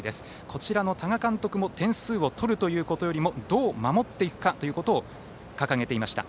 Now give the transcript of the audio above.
こちらの多賀監督も点数を取ることよりもどう守っていくかということを掲げていました。